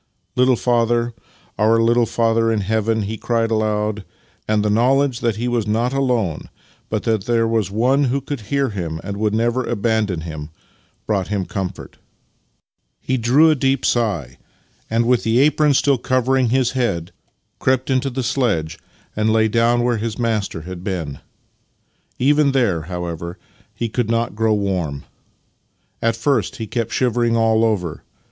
"Little Father — our Little Father in Heaven!" he cried aloud; and the knowledge that he was not alone, but that there was One who could hear him and would never abandon him, brought him comfort. He drew a deep sigh and, with the apron still covering 52 Master and Man his head, crept into the sledge and lay down where his master had been. Even there, however, he could not grow warm. At first he kept shivering all over.